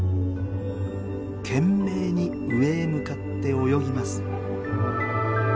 懸命に上へ向かって泳ぎます。